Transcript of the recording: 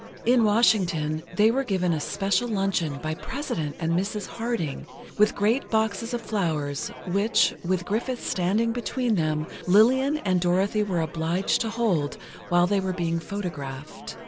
In Washington, they were given a special luncheon by President and Mrs. Harding, with great boxes of flowers which, with Griffith standing between them, Lillian and Dorothy were obliged to hold while they were being photographed.